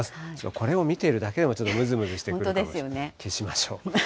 これを見てるだけでもちょっとむずむずしてくるので、消しましょう。